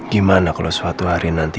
gimana kalau suatu hari nanti